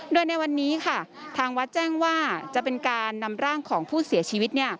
โดยในวันนี้ค่ะทางวัดแจ้งว่าจะเป็นการนำร่างของผู้เสียชีวิต